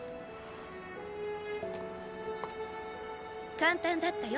簡単だったよ。